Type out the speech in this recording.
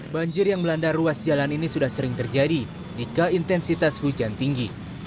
banjir yang melanda ruas jalan ini sudah sering terjadi jika intensitas hujan tinggi